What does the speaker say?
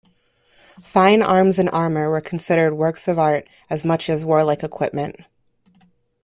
Fine arms and armour were considered works of art as much as warlike equipment.